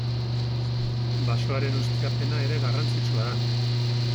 Basoaren ustiapena ere garrantzitsua da.